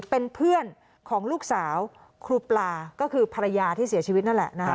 เป็นเพื่อนของลูกสาวครูปลาก็คือภรรยาที่เสียชีวิตนั่นแหละนะคะ